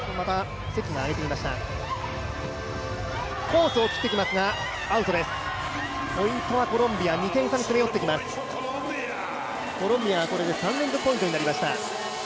コロンビアがこれで３連続ポイントになりました。